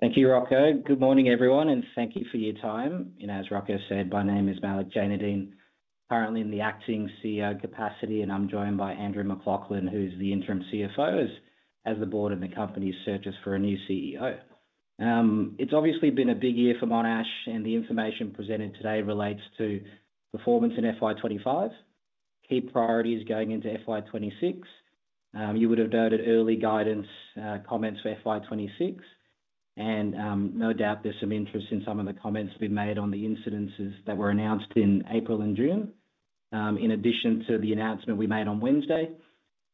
Thank you, Rocco. Good morning, everyone, and thank you for your time. As Rocco said, my name is Malik Jainudeen, currently in the Acting CEO capacity, and I'm joined by Andrew MacLachlan, who's the Interim CFO, as the board and the company searches for a new CEO. It's obviously been a big year for Monash, and the information presented today relates to performance in FY2025, key priorities going into FY2026. You would have noted early guidance, comments for FY2026, and no doubt there's some interest in some of the comments we made on the incidences that were announced in April and June, in addition to the announcement we made on Wednesday,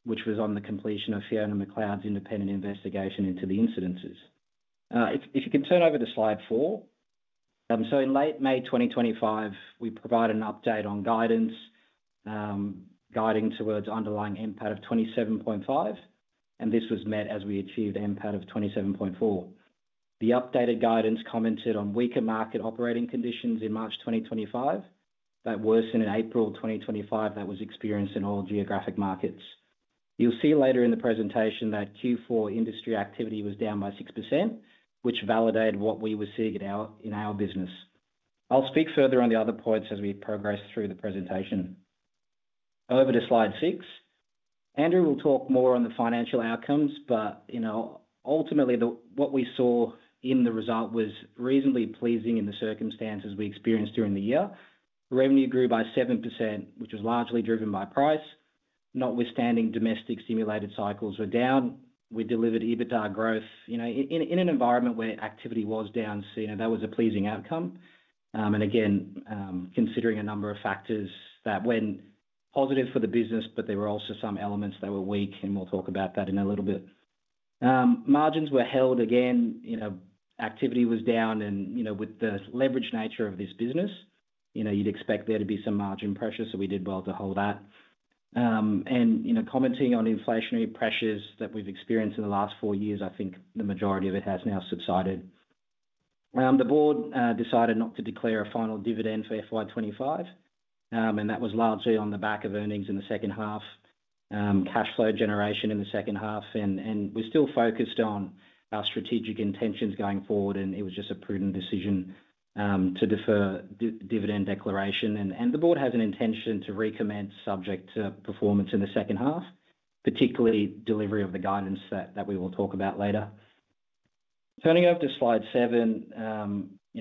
which was on the completion of Fiona McLeod KC's independent investigation into the incidences. If you can turn over to slide four. In late May 2025, we provided an update on guidance, guiding towards underlying NPAT of 27.5 million, and this was met as we achieved NPAT of 27.4 million. The updated guidance commented on weaker market operating conditions in March 2025 that worsened in April 2025 that was experienced in all geographic markets. You'll see later in the presentation that Q4 industry activity was down by 6%, which validated what we were seeing in our business. I'll speak further on the other points as we progress through the presentation. Over to slide six. Andrew will talk more on the financial outcomes, but ultimately what we saw in the result was reasonably pleasing in the circumstances we experienced during the year. Revenue grew by 7%, which was largely driven by price. Notwithstanding, domestic stimulated cycles were down. We delivered EBITDA growth in an environment where activity was down, so that was a pleasing outcome. Again, considering a number of factors that went positive for the business, but there were also some elements that were weak, and we'll talk about that in a little bit. Margins were held again, activity was down, and with the leveraged nature of this business, you'd expect there to be some margin pressure, so we did well to hold that. Commenting on inflationary pressures that we've experienced in the last four years, I think the majority of it has now subsided. The board decided not to declare a final dividend for FY25, and that was largely on the back of earnings in the second half, cash flow generation in the second half, and we're still focused on our strategic intentions going forward. It was just a prudent decision to defer dividend declaration, and the board has an intention to recommence subject to performance in the second half, particularly delivery of the guidance that we will talk about later. Turning over to slide seven,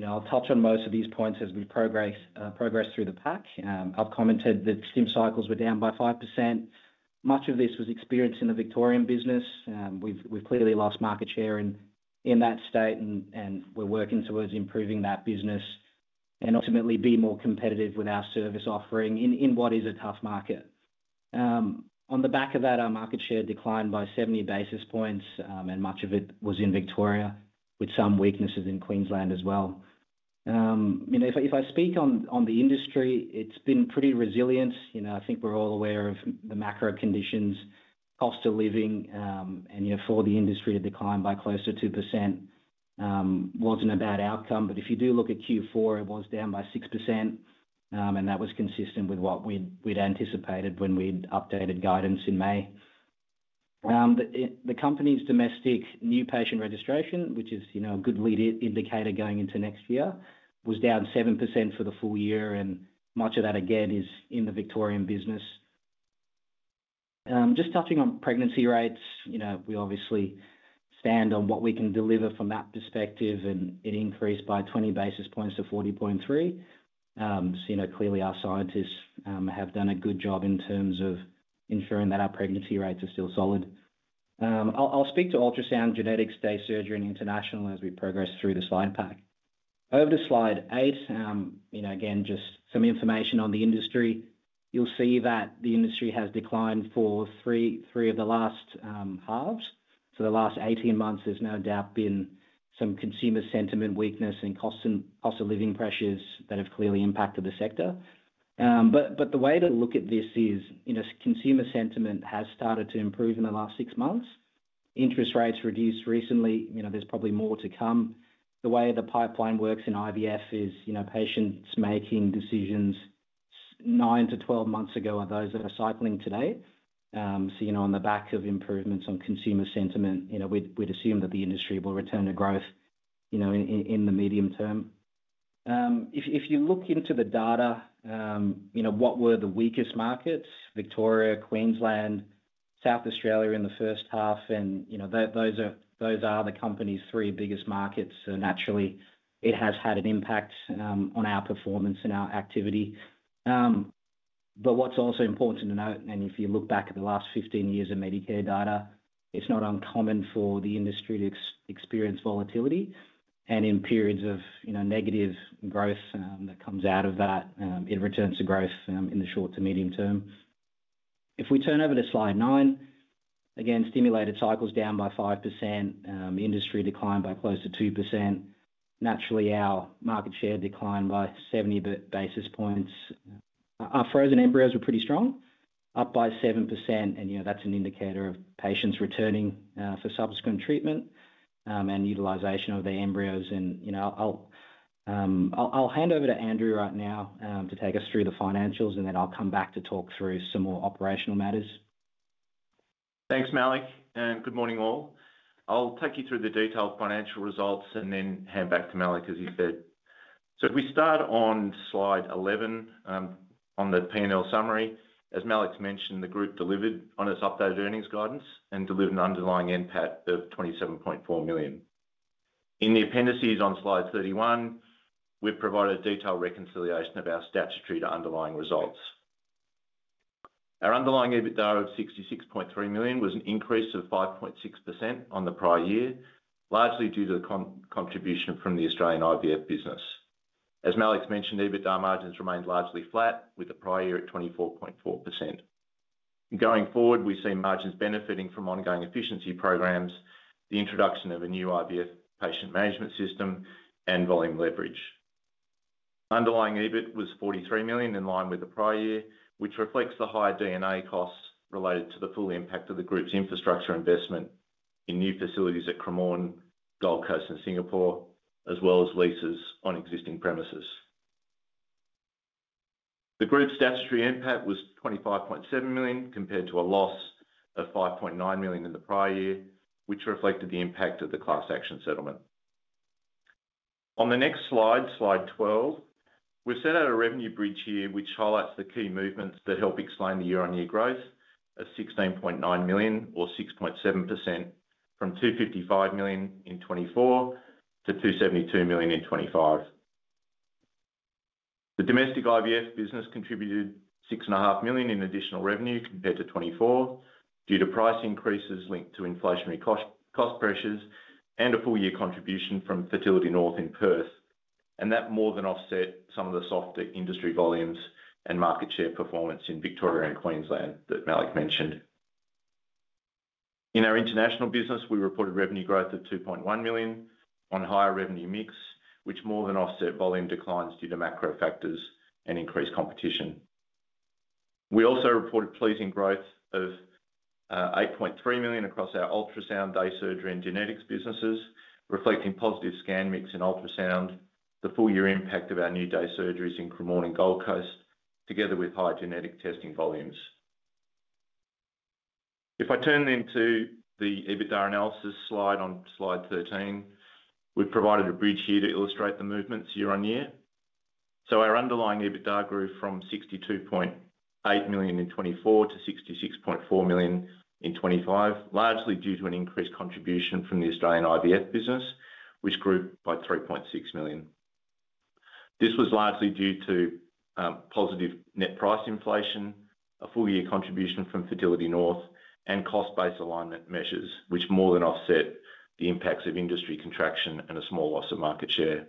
I'll touch on most of these points as we progress through the pack. I've commented that stimulated cycles were down by 5%. Much of this was experienced in the Victorian business. We've clearly lost market share in that state, and we're working towards improving that business and ultimately being more competitive with our service offering in what is a tough market. On the back of that, our market share declined by 70 basis points, and much of it was in Victoria, with some weaknesses in Queensland as well. If I speak on the industry, it's been pretty resilient. I think we're all aware of the macro conditions, cost of living, and for the industry to decline by closer to 2%, it wasn't a bad outcome. If you do look at Q4, it was down by 6%, and that was consistent with what we'd anticipated when we updated guidance in May. The company's domestic new patient registration, which is a good lead indicator going into next year, was down 7% for the full year, and much of that, again, is in the Victorian business. Just touching on pregnancy rates, we obviously stand on what we can deliver from that perspective, and it increased by 20 basis points to 40.3%. Clearly, our scientists have done a good job in terms of ensuring that our pregnancy rates are still solid. I'll speak to ultrasound, genetics, day surgery, and international as we progress through the slide pack. Over to slide eight, again, just some information on the industry. You'll see that the industry has declined for three of the last halves. For the last 18 months, there's no doubt been some consumer sentiment weakness and cost of living pressures that have clearly impacted the sector. The way to look at this is consumer sentiment has started to improve in the last six months. Interest rates reduced recently. There's probably more to come. The way the pipeline works in IVF is, you know, patients making decisions nine to 12 months ago are those that are cycling today. On the back of improvements on consumer sentiment, we'd assume that the industry will return to growth in the medium term. If you look into the data, what were the weakest markets? Victoria, Queensland, South Australia in the first half, and those are the company's three biggest markets, so naturally it has had an impact on our performance and our activity. What's also important to note, and if you look back at the last fifteen years of Medicare data, it's not uncommon for the industry to experience volatility, and in periods of negative growth that comes out of that, it returns to growth in the short to medium term. If we turn over to slide nine, again, stimulated cycles down by 5%, industry declined by close to 2%. Naturally, our market share declined by 70 basis points. Our frozen embryos were pretty strong, up by 7%, and that's an indicator of patients returning for subsequent treatment and utilization of their embryos. I'll hand over to Andrew right now to take us through the financials, and then I'll come back to talk through some more operational matters. Thanks, Malik, and good morning all. I'll take you through the detailed financial results and then hand back to Malik, as you said. If we start on slide 11, on the P&L summary, as Malik's mentioned, the group delivered on its updated earnings guidance and delivered an underlying NPAT of 27.4 million. In the appendices on slide 31, we've provided a detailed reconciliation of our statutory to underlying results. Our underlying EBITDA of 66.3 million was an increase of 5.6% on the prior year, largely due to the contribution from the Australian IVF business. As Malik's mentioned, EBITDA margins remained largely flat with the prior year at 24.4%. Going forward, we see margins benefiting from ongoing efficiency programs, the introduction of a new IVF patient management system, and volume leverage. Underlying EBIT was 43 million in line with the prior year, which reflects the high D&A costs related to the full impact of the group's infrastructure investment in new facilities at Cremorne, Gold Coast, and Singapore, as well as leases on existing premises. The group's statutory NPAT was 25.7 million compared to a loss of 5.9 million in the prior year, which reflected the impact of the class action settlement. On the next slide, slide 12, we've set out a revenue bridge here, which highlights the key movements that help explain the year-on-year growth of 16.9 million, or 6.7%, from 255 million in 2024 to 272 million in 2025. The domestic IVF business contributed 6.5 million in additional revenue compared to 2024 due to price increases linked to inflationary cost pressures and a full-year contribution from Fertility North in Perth, and that more than offset some of the softer industry volumes and market share performance in Victoria and Queensland that Malik mentioned. In our international business, we reported revenue growth of 2.1 million on a higher revenue mix, which more than offset volume declines due to macro factors and increased competition. We also reported pleasing growth of 8.3 million across our ultrasound, day surgery, and genetics businesses, reflecting positive scan mix in ultrasound, the full-year impact of our new day surgeries in Cremorne and Gold Coast, together with high genetic testing volumes. If I turn into the EBITDA analysis slide on slide 13, we've provided a bridge here to illustrate the movements year-on-year. Our underlying EBITDA grew from 62.8 million in 2024 to 66.4 million in 2025, largely due to an increased contribution from the Australian IVF business, which grew by 3.6 million. This was largely due to positive net price inflation, a full-year contribution from Fertility North, and cost-based alignment measures, which more than offset the impacts of industry contraction and a small loss of market share.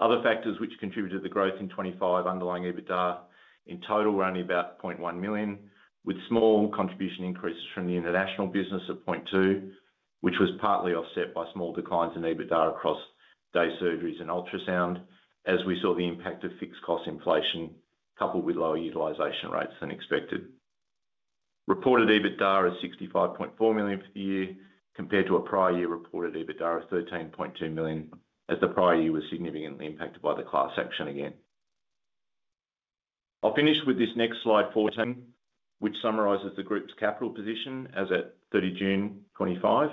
Other factors which contributed to the growth in 2025 underlying EBITDA in total were only about 0.1 million, with small contribution increases from the international business of 0.2 million, which was partly offset by small declines in EBITDA across day surgeries and ultrasound, as we saw the impact of fixed cost inflation coupled with lower utilization rates than expected. Reported EBITDA is 65.4 million for the year compared to a prior year reported EBITDA of 13.2 million, as the prior year was significantly impacted by the class action again. I'll finish with this next slide 410, which summarizes the group's capital position as at 30 June 2025.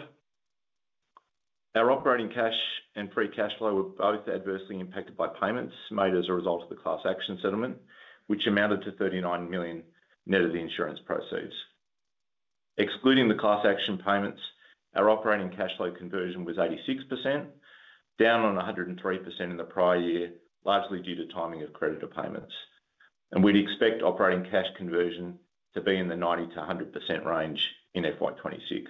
Our operating cash and free cash flow were both adversely impacted by payments made as a result of the class action settlement, which amounted to 39 million net of the insurance proceeds. Excluding the class action payments, our operating cash flow conversion was 86%, down on 103% in the prior year, largely due to timing of creditor payments. We'd expect operating cash conversion to be in the 90%-100% range in FY26.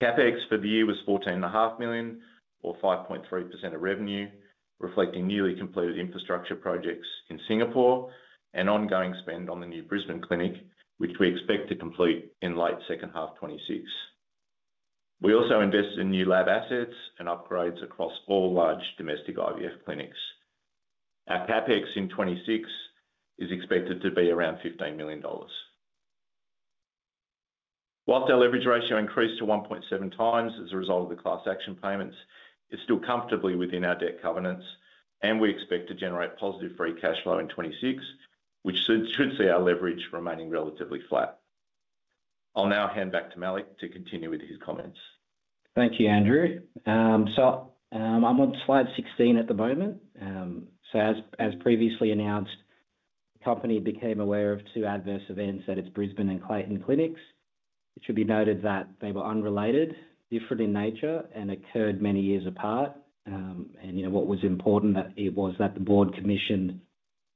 CapEx for the year was 14.5 million, or 5.3% of revenue, reflecting newly completed infrastructure projects in Singapore and ongoing spend on the new Brisbane clinic, which we expect to complete in late second half 2026. We also invest in new lab assets and upgrades across four large domestic IVF clinics. Our CapEx in 2026 is expected to be around 15 million dollars. Whilst our leverage ratio increased to 1.7x as a result of the class action payments, it's still comfortably within our debt covenants, and we expect to generate positive free cash flow in 2026, which should see our leverage remaining relatively flat. I'll now hand back to Malik to continue with his comments. Thank you, Andrew. I'm on slide 16 at the moment. As previously announced, the company became aware of two adverse events at its Brisbane and Clayton clinics. It should be noted that they were unrelated, different in nature, and occurred many years apart. What was important was that the board commissioned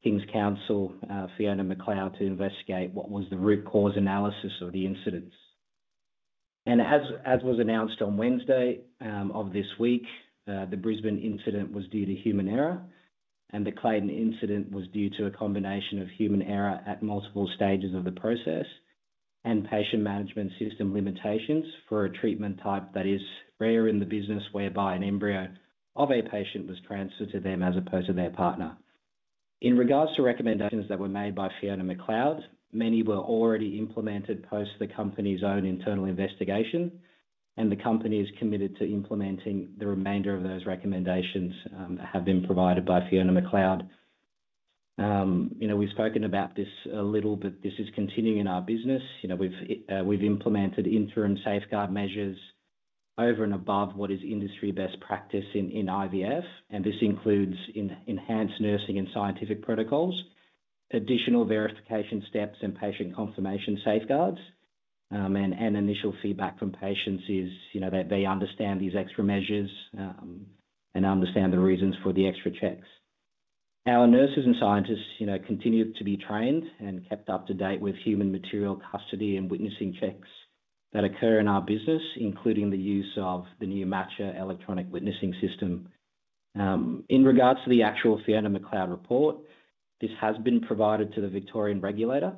King's Counsel, Fiona McLeod, to investigate what was the root cause analysis of the incidents. As was announced on Wednesday of this week, the Brisbane incident was due to human error, and the Clayton incident was due to a combination of human error at multiple stages of the process and patient management system limitations for a treatment type that is rare in the business whereby an embryo of a patient was transferred to them as opposed to their partner. In regards to recommendations that were made by Fiona McLeod, many were already implemented post the company's own internal investigation, and the company is committed to implementing the remainder of those recommendations that have been provided by Fiona McLeod. We've spoken about this a little, but this is continuing in our business. We've implemented interim safeguard measures over and above what is industry best practice in IVF, and this includes enhanced nursing and scientific protocols, additional verification steps, and patient confirmation safeguards. Initial feedback from patients is they understand these extra measures, and understand the reasons for the extra checks. Our nurses and scientists continue to be trained and kept up to date with human material custody and witnessing checks that occur in our business, including the use of the new Matcher electronic witnessing system. In regards to the actual Fiona McLeod report, this has been provided to the Victorian regulator.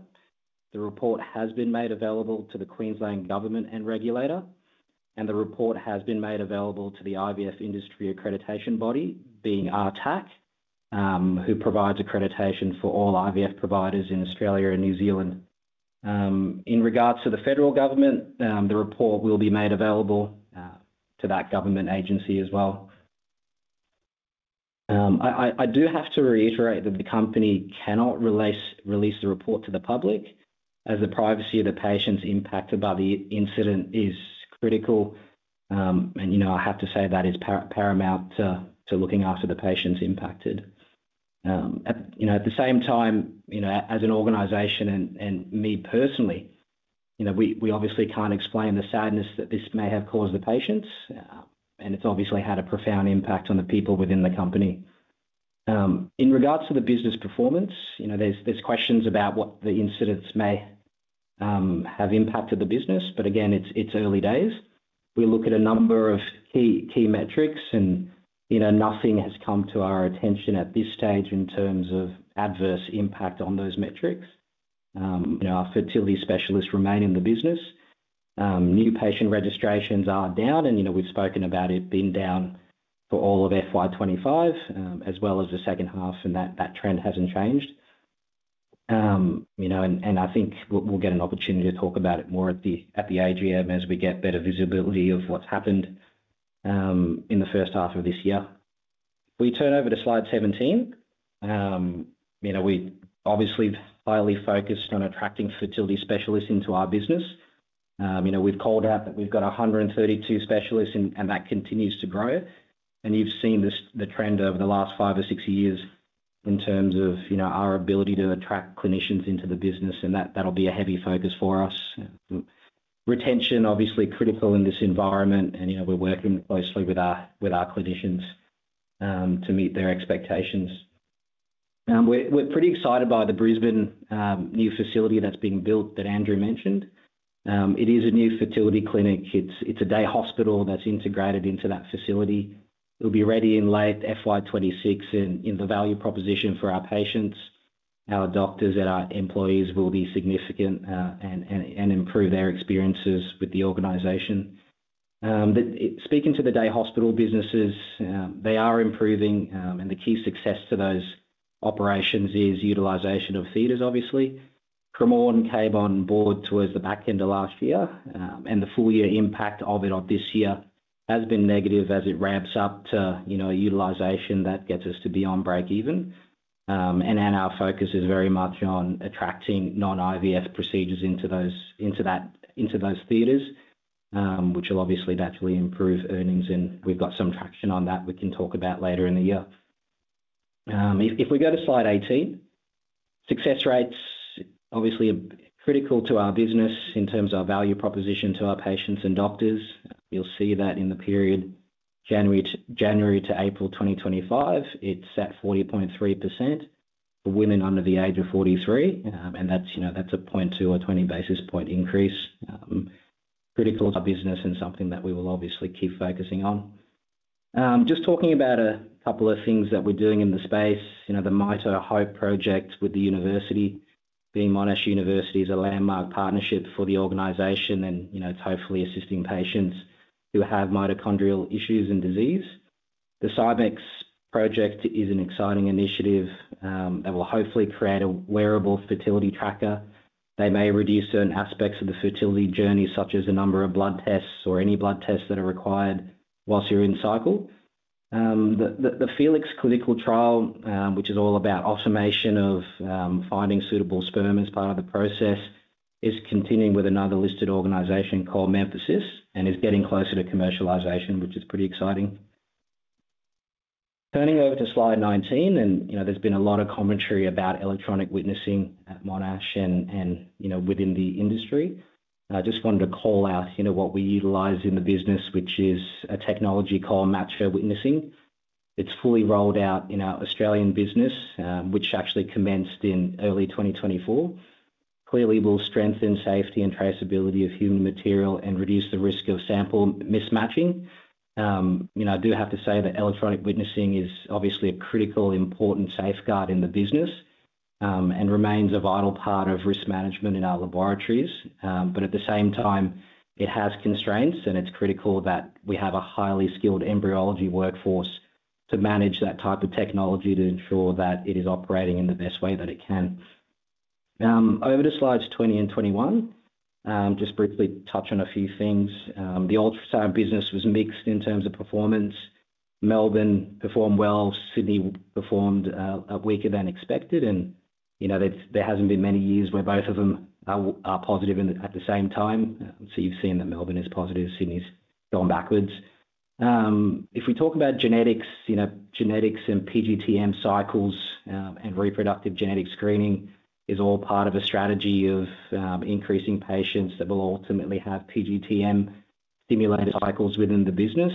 The report has been made available to the Queensland government and regulator, and the report has been made available to the IVF industry accreditation body, being RTAC, who provides accreditation for all IVF providers in Australia and New Zealand. In regards to the federal government, the report will be made available to that government agency as well. I do have to reiterate that the company cannot release the report to the public, as the privacy of the patients impacted by the incident is critical. I have to say that is paramount to looking after the patients impacted. At the same time, as an organization and me personally, we obviously can't explain the sadness that this may have caused the patients, and it's obviously had a profound impact on the people within the company. In regards to the business performance, there's questions about what the incidents may have impacted the business, but again, it's early days. We look at a number of key metrics, and nothing has come to our attention at this stage in terms of adverse impact on those metrics. Our fertility specialists remain in the business. New patient registrations are down, and we've spoken about it being down for all of FY2025, as well as the second half, and that trend hasn't changed. I think we'll get an opportunity to talk about it more at the AGM as we get better visibility of what's happened in the first half of this year. We turn over to slide 17. We obviously are highly focused on attracting fertility specialists into our business. We've called out that we've got 132 specialists, and that continues to grow. You've seen the trend over the last five or six years in terms of our ability to attract clinicians into the business, and that will be a heavy focus for us. Retention is obviously critical in this environment, and we're working closely with our clinicians to meet their expectations. We're pretty excited by the Brisbane new facility that's been built that Andrew mentioned. It is a new fertility clinic. It's a day hospital that's integrated into that facility. It'll be ready in late FY2026, and the value proposition for our patients, our doctors, and our employees will be significant and improve their experiences with the organization. Speaking to the day hospital businesses, they are improving, and the key success to those operations is utilization of theaters, obviously. Cremorne and Cabonne board towards the back end of last year, and the full-year impact of it on this year has been negative as it ramps up to a utilization that gets us to beyond break even. Our focus is very much on attracting non-IVF procedures into those theaters, which will naturally improve earnings, and we've got some traction on that we can talk about later in the year. If we go to slide 18, success rates obviously are critical to our business in terms of our value proposition to our patients and doctors. You'll see that in the period January to April 2025, it's at 40.3% for women under the age of 43, and that's a 0.2 or 20 basis point increase. Critical business and something that we will obviously keep focusing on. Just talking about a couple of things that we're doing in the space, the mitoHOPE project with the university, being Monash University's landmark partnership for the organization, and it's hopefully assisting patients who have mitochondrial issues and disease. The Symex project is an exciting initiative that will hopefully create a wearable fertility tracker. They may reduce certain aspects of the fertility journey, such as the number of blood tests or any blood tests that are required whilst you're in cycle. The Felix Clinical Trial, which is all about automation of finding suitable sperm as part of the process, is continuing with another listed organization called Memphasys and is getting closer to commercialization, which is pretty exciting. Turning over to slide 19, there's been a lot of commentary about electronic witnessing at Monash and within the industry. I just wanted to call out what we utilize in the business, which is a technology called Matcher witnessing. It's fully rolled out in our Australian business, which actually commenced in early 2024. Clearly, we'll strengthen safety and traceability of human material and reduce the risk of sample mismatching. I do have to say that electronic witnessing is obviously a critical, important safeguard in the business, and remains a vital part of risk management in our laboratories. At the same time, it has constraints, and it's critical that we have a highly skilled embryology workforce to manage that type of technology to ensure that it is operating in the best way that it can. Over to slides 20 and 21, just briefly touch on a few things. The ultrasound business was mixed in terms of performance. Melbourne performed well. Sydney performed weaker than expected, and there hasn't been many years where both of them are positive at the same time. You've seen that Melbourne is positive. Sydney's gone backwards. If we talk about genetics, you know, genetics and PGT-M cycles, and reproductive genetic screening is all part of a strategy of increasing patients that will ultimately have PGT-M stimulated cycles within the business.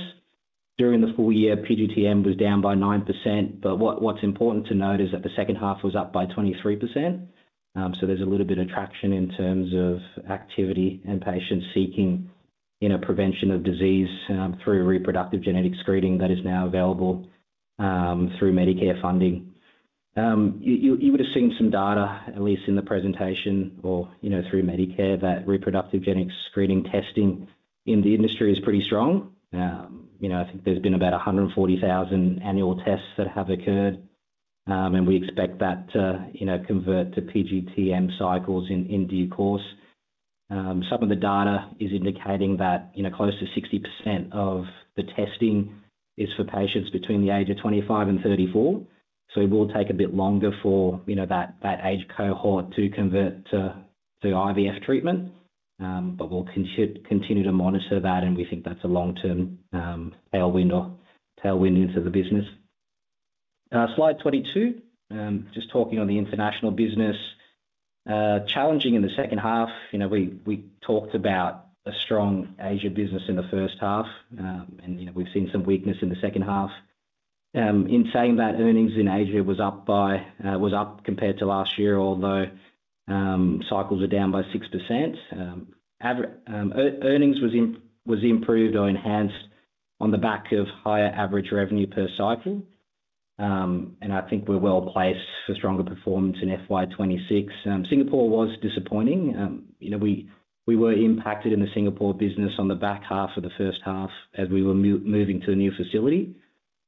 During the full year, PGT-M was down by 9%, but what's important to note is that the second half was up by 23%. There's a little bit of traction in terms of activity and patients seeking prevention of disease through reproductive genetic screening that is now available through Medicare funding. You would have seen some data, at least in the presentation or through Medicare, that reproductive genetic screening testing in the industry is pretty strong. I think there's been about 140,000 annual tests that have occurred, and we expect that to convert to PGT-M cycles in due course. Some of the data is indicating that close to 60% of the testing is for patients between the age of 25 and 34. It will take a bit longer for that age cohort to convert to IVF treatment. We'll continue to monitor that, and we think that's a long-term tailwind into the business. Slide 22, just talking on the international business. Challenging in the second half, we talked about a strong Asia business in the first half, and we've seen some weakness in the second half. In saying that, earnings in Asia was up compared to last year, although cycles are down by 6%. Average earnings was improved or enhanced on the back of higher average revenue per cycle. I think we're well placed for stronger performance in FY2026. Singapore was disappointing. We were impacted in the Singapore business on the back half of the first half as we were moving to the new facility.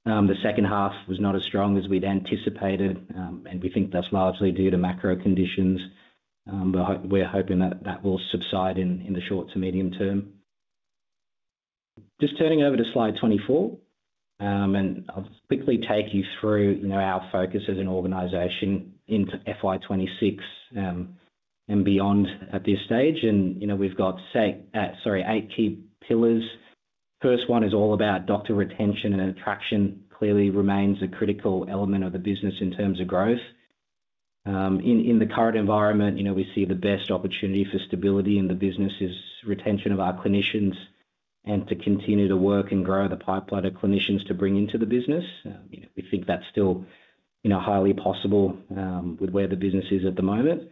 The second half was not as strong as we'd anticipated, and we think that's largely due to macro conditions. We're hoping that will subside in the short to medium term. Just turning over to slide 24, and I'll quickly take you through our focus as an organization in FY2026 and beyond at this stage. We've got, say, eight key pillars. The first one is all about doctor retention, and attraction clearly remains a critical element of the business in terms of growth. In the current environment, we see the best opportunity for stability in the business is retention of our clinicians and to continue to work and grow the pipeline of clinicians to bring into the business. We think that's still highly possible, with where the business is at the moment.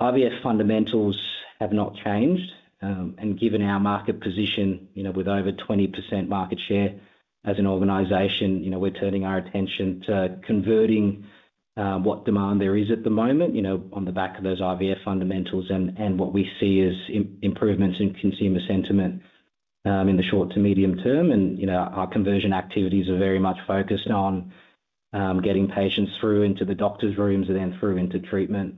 IVF fundamentals have not changed, and given our market position, with over 20% market share as an organization, we're turning our attention to converting what demand there is at the moment on the back of those IVF fundamentals and what we see as improvements in consumer sentiment in the short to medium term. Our conversion activities are very much focused on getting patients through into the doctor's rooms and then through into treatment.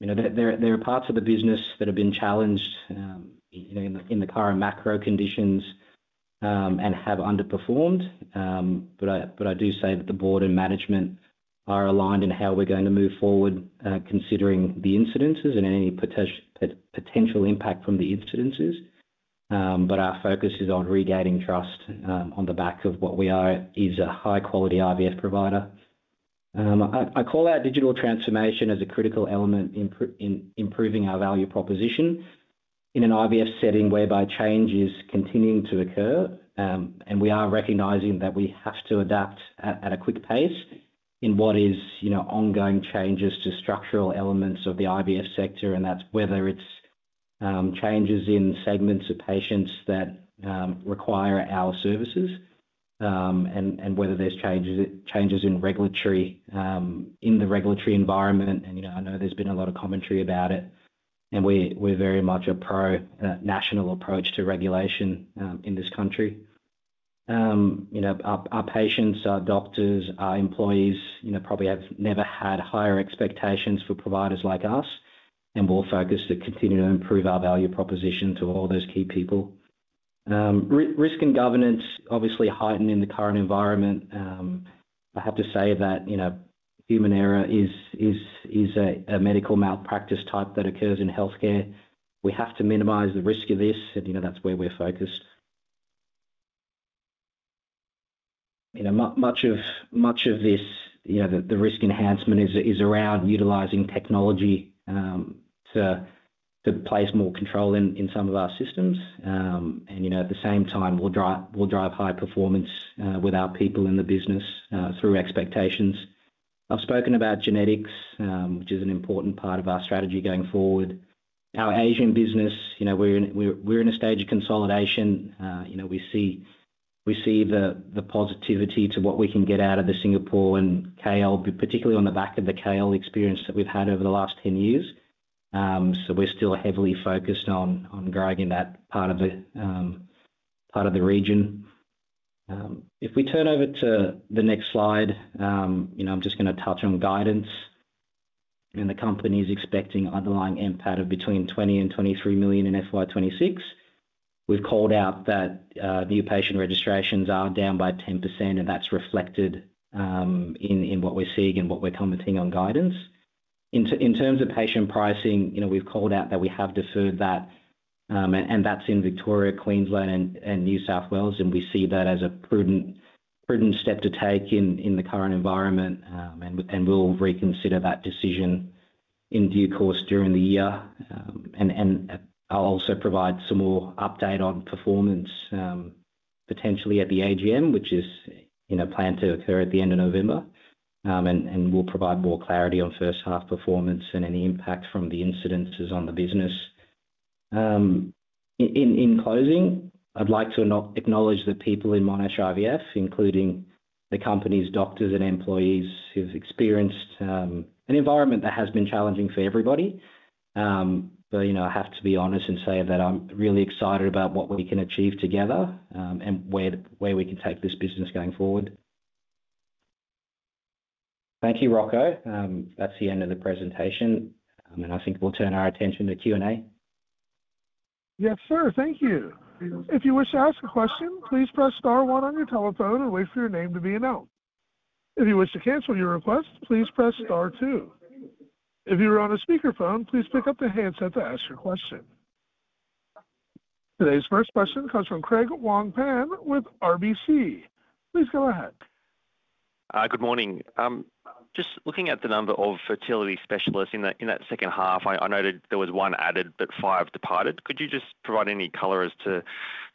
There are parts of the business that have been challenged in the current macro conditions and have underperformed. I do say that the board and management are aligned in how we're going to move forward, considering the incidences and any potential impact from the incidences. Our focus is on regaining trust, on the back of what we are is a high-quality IVF provider. I call out digital transformation as a critical element in improving our value proposition in an IVF setting whereby change is continuing to occur. We are recognizing that we have to adapt at a quick pace in what is ongoing changes to structural elements of the IVF sector, and that's whether it's changes in segments of patients that require our services, and whether there's changes in the regulatory environment. I know there's been a lot of commentary about it, and we're very much a pro and a national approach to regulation in this country. Our patients, our doctors, our employees probably have never had higher expectations for providers like us, and we'll focus to continue to improve our value proposition to all those key people. Risk and governance obviously heightened in the current environment. I have to say that human error is a medical malpractice type that occurs in healthcare. We have to minimize the risk of this, and that's where we're focused. Much of this risk enhancement is around utilizing technology to place more control in some of our systems. At the same time, we'll drive high performance with our people in the business through expectations. I've spoken about genetics, which is an important part of our strategy going forward. Our Asian business, we're in a stage of consolidation. We see the positivity to what we can get out of Singapore and KL, particularly on the back of the KL experience that we've had over the last 10 years. We're still heavily focused on growing in that part of the region. If we turn over to the next slide, I'm just going to touch on guidance. The company is expecting underlying NPAT of between 20 million and 23 million in FY26. We've called out that new patient registrations are down by 10%, and that's reflected in what we're seeing and what we're commenting on guidance. In terms of patient pricing, we've called out that we have deferred that, and that's in Victoria, Queensland, and New South Wales, and we see that as a prudent step to take in the current environment. We'll reconsider that decision in due course during the year. I'll also provide some more update on performance, potentially at the AGM, which is planned to occur at the end of November. We'll provide more clarity on first half performance and any impact from the incidences on the business. In closing, I'd like to acknowledge the people in Monash IVF, including the company's doctors and employees who've experienced an environment that has been challenging for everybody. I have to be honest and say that I'm really excited about what we can achieve together, and where we can take this business going forward. Thank you, Rocco. That's the end of the presentation. I think we'll turn our attention to Q&A. Yes, sir. Thank you. If you wish to ask a question, please press star one on your telephone and wait for your name to be announced. If you wish to cancel your request, please press star two. If you are on a speaker phone, please pick up the handset to ask your question. Today's first question comes from Craig Wong-Pan with RBC. Please go ahead. Good morning. I'm just looking at the number of fertility specialists in that second half. I noted there was one added, but five departed. Could you just provide any color as to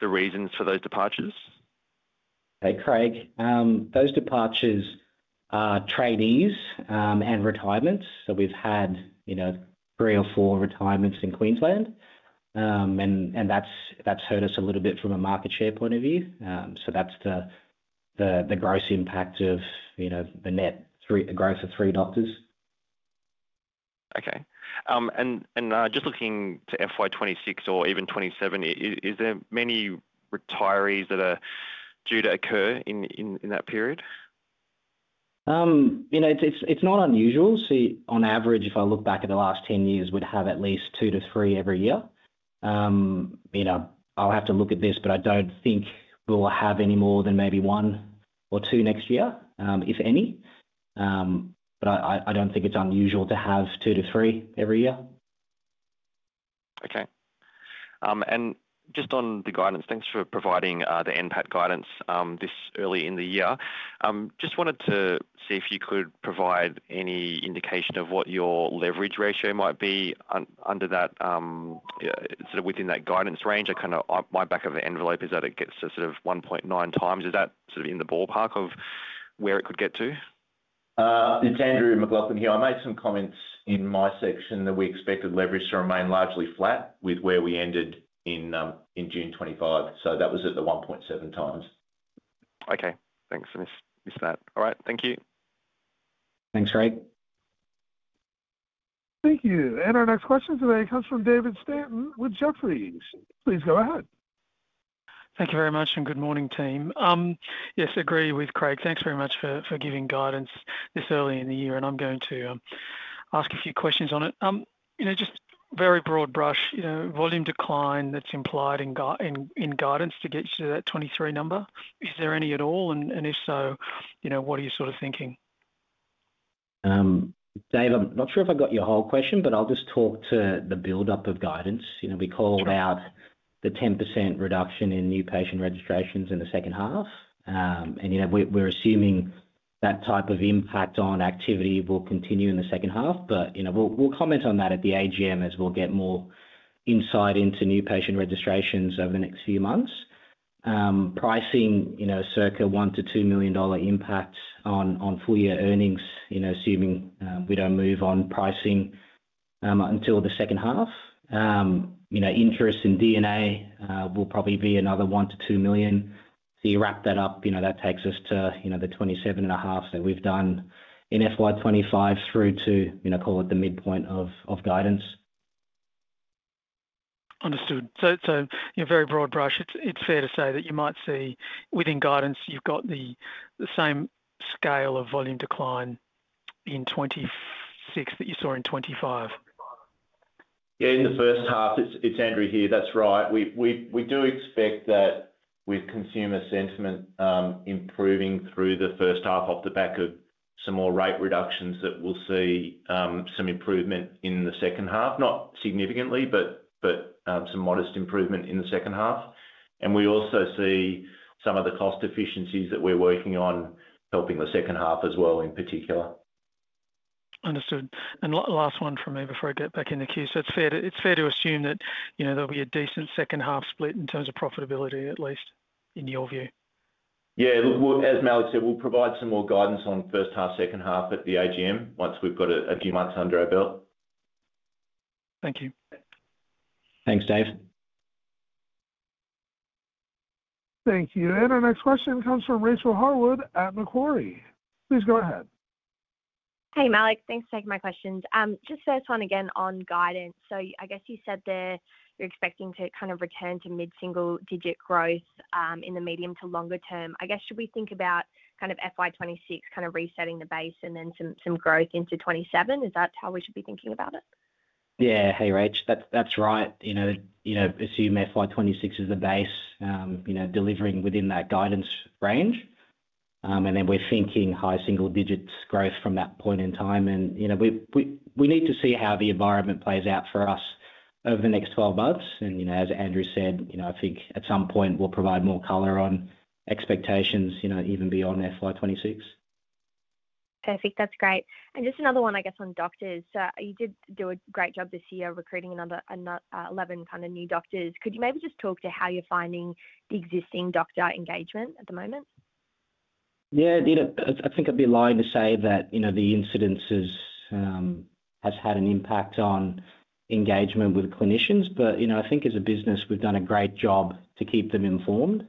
the reasons for those departures? Hey, Craig. Those departures are trainees and retirements. We've had three or four retirements in Queensland, and that's hurt us a little bit from a market share point of view. That's the gross impact of the net growth of three doctors. Okay. Just looking to FY2026 or even 2027, is there many retirees that are due to occur in that period? It's not unusual. On average, if I look back at the last 10 years, we'd have at least two to three every year. I don't think we'll have any more than maybe one or two next year, if any. I don't think it's unusual to have two to three every year. Okay. Just on the guidance, thanks for providing the NPAT guidance this early in the year. Just wanted to see if you could provide any indication of what your leverage ratio might be under that, sort of within that guidance range. My back of the envelope is that it gets to sort of 1.9x. Is that sort of in the ballpark of where it could get to? It's Andrew MacLachlan here. I made some comments in my section that we expected leverage to remain largely flat with where we ended in June 2025. That was at the 1.7x. Okay. Thanks. I missed that. All right. Thank you. Thanks, Craig. Thank you. Our next question today comes from David Stanton with Jefferies. Please go ahead. Thank you very much and good morning, team. Yes, agree with Craig. Thanks very much for giving guidance this early in the year. I'm going to ask a few questions on it. Just very broad brush, volume decline that's implied in guidance to get you to that 23 number. Is there any at all? If so, what are you sort of thinking? Dave, I'm not sure if I got your whole question, but I'll just talk to the buildup of guidance. We called out the 10% reduction in new patient registrations in the second half. We're assuming that type of impact on activity will continue in the second half. We'll comment on that at the AGM as we'll get more insight into new patient registrations over the next few months. Pricing, circa 1 million-2 million dollar impacts on full-year earnings, assuming we don't move on pricing until the second half. Interest in DNA will probably be another 1 million-2 million. You wrap that up, that takes us to the 27.5 million that we've done in FY25 through to, call it, the midpoint of guidance. Understood. Very broad brush, it's fair to say that you might see within guidance, you've got the same scale of volume decline in 2026 that you saw in 2025. In the first half, it's Andrew here. That's right. We do expect that with consumer sentiment improving through the first half off the back of some more rate reductions, we'll see some improvement in the second half, not significantly, but some modest improvement in the second half. We also see some of the cost efficiencies that we're working on helping the second half as well in particular. Understood. Last one from me before I get back in the queue. It's fair to assume that there'll be a decent second half split in terms of profitability, at least in your view. Yeah, look, as Malik said, we'll provide some more guidance on first half, second half at the AGM once we've got a few months under our belt. Thank you. Thanks, Dave. Thank you. Our next question comes from Rachael Harwood at Macquarie. Please go ahead. Hey, Malik, thanks for taking my questions. The first one again on guidance. You said that you're expecting to kind of return to mid-single-digit growth in the medium to longer term. Should we think about FY2026 kind of resetting the base and then some growth into 2027? Is that how we should be thinking about it? Yeah, hey Rach, that's right. Assume FY26 is the base, delivering within that guidance range. We're thinking high single-digit growth from that point in time. We need to see how the environment plays out for us over the next 12 months. As Andrew said, I think at some point we'll provide more color on expectations, even beyond FY26. Perfect, that's great. Just another one, I guess, on doctors. You did do a great job this year recruiting another 11 kind of new doctors. Could you maybe just talk to how you're finding the existing doctor engagement at the moment? Yeah, I think I'd be lying to say that, you know, the incidences have had an impact on engagement with clinicians. I think as a business, we've done a great job to keep them informed.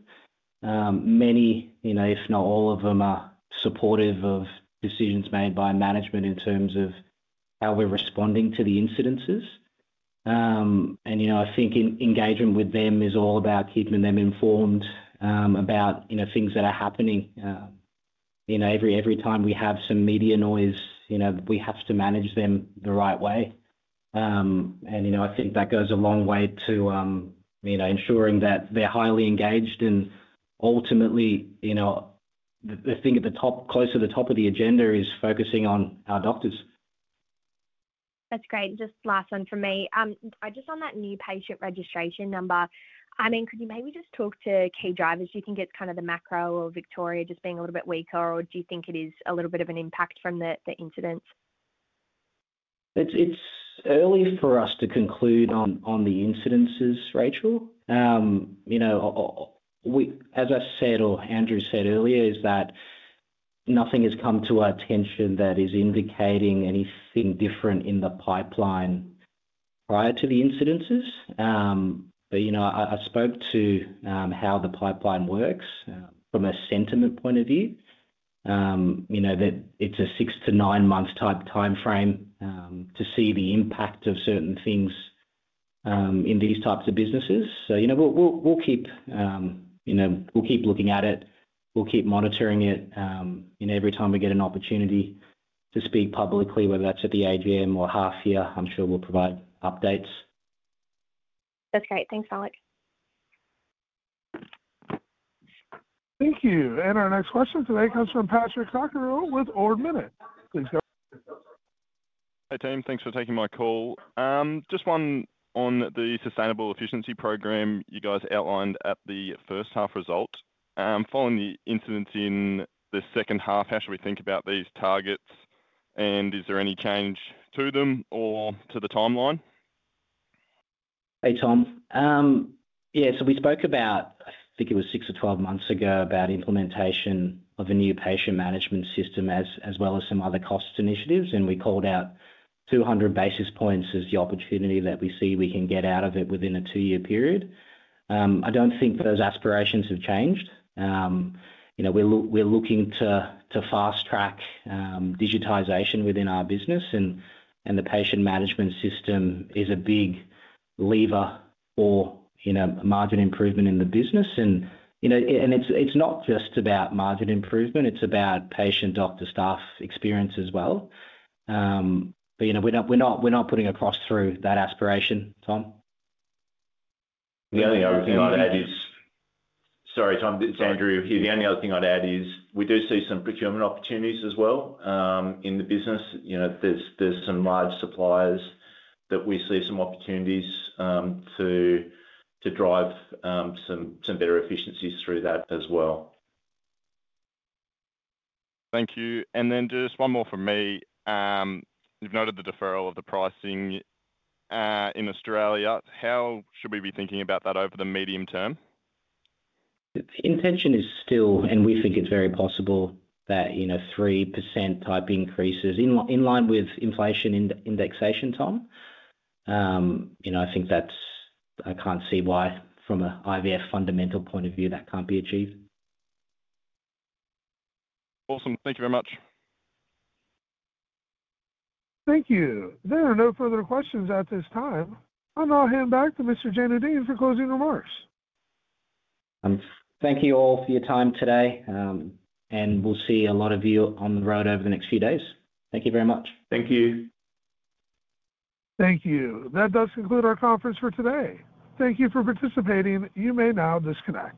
Many, if not all of them, are supportive of decisions made by management in terms of how we're responding to the incidences. I think engagement with them is all about keeping them informed about things that are happening. Every time we have some media noise, we have to manage them the right way. I think that goes a long way to ensuring that they're highly engaged. Ultimately, the thing at the top, close to the top of the agenda is focusing on our doctors. That's great. Just last one from me. Just on that new patient registration number, could you maybe just talk to key drivers? Do you think it's kind of the macro or Victoria just being a little bit weaker, or do you think it is a little bit of an impact from the incidents? It's early for us to conclude on the incidences, Rachael. As I said, or Andrew said earlier, nothing has come to our attention that is indicating anything different in the pipeline prior to the incidences. I spoke to how the pipeline works from a sentiment point of view, that it's a six months to nine months type timeframe to see the impact of certain things in these types of businesses. We'll keep looking at it and keep monitoring it. Every time we get an opportunity to speak publicly, whether that's at the AGM or half year, I'm sure we'll provide updates. That's great. Thanks, Malik. Thank you. Our next question today comes from Tom Godfrey with Ord Minnett. Please go ahead. Hey, team. Thanks for taking my call. Just one on the sustainable efficiency program you guys outlined at the first half result. Following the incidents in the second half, how should we think about these targets? Is there any change to them or to the timeline? Hey, Tom. Yeah, we spoke about, I think it was six months or 12 months ago, about implementation of a new patient management system as well as some other cost initiatives. We called out 200 basis points as the opportunity that we see we can get out of it within a two-year period. I don't think those aspirations have changed. We're looking to fast track digitization within our business. The patient management system is a big lever for, you know, a margin improvement in the business. It's not just about margin improvement. It's about patient-doctor staff experience as well. We're not putting a cross through that aspiration, Tom. The only other thing I'd add is, sorry, Tom, it's Andrew. The only other thing I'd add is we do see some procurement opportunities as well in the business. You know, there's some live suppliers that we see some opportunities to drive some better efficiencies through that as well. Thank you. Just one more from me. You've noted the deferral of the pricing in Australia. How should we be thinking about that over the medium term? The intention is still, and we think it's very possible that, you know, 3% type increases in line with inflation indexation, Tom. I think that's, I can't see why from an IVF fundamental point of view that can't be achieved. Awesome. Thank you very much. Thank you. There are no further questions at this time. I'll now hand back to Mr. Jainudeen for closing remarks. Thank you all for your time today. We'll see a lot of you on the road over the next few days. Thank you very much. Thank you. Thank you. That does conclude our conference for today. Thank you for participating. You may now disconnect.